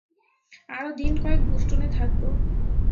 আরও দিন কয়েক বোষ্টনে থাকব।